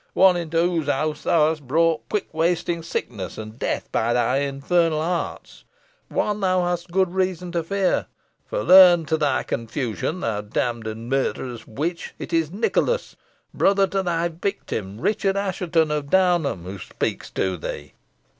"One into whose house thou hast brought quick wasting sickness and death by thy infernal arts. One thou hast good reason to fear; for learn, to thy confusion, thou damned and murtherous witch, it is Nicholas, brother to thy victim, Richard Assheton of Downham, who speaks to thee."